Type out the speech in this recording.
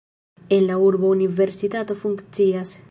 En la urbo universitato funkcias.